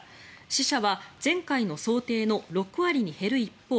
死者は前回の想定の６割に減る一方